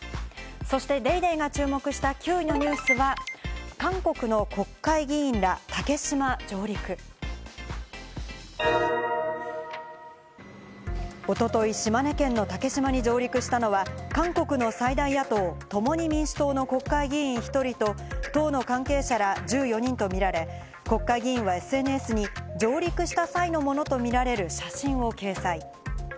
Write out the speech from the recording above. そして『ＤａｙＤａｙ．』が注目した９位のニュースは、韓国の国会議員ら、竹島上陸。一昨日、島根県の竹島に上陸したのは韓国の最大野党「共に民主党」の国会議員１人と党の関係者ら１４人とみられ、国会議員はＳＮＳに上陸した際のものとみられる写真を掲載。